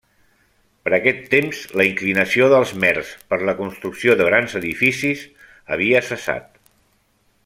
Per aquest temps, la inclinació dels khmers per la construcció de grans edificis havia cessat.